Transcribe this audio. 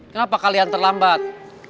kenapa kalian terlambat